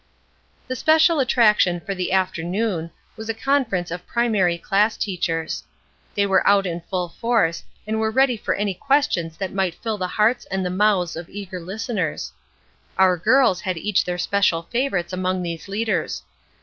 The special attraction for the afternoon was a conference of primary class teachers. They were out in full force, and were ready for any questions that might fill the hearts and the mouths of eager learners. Our girls had each their special favorites among these leaders.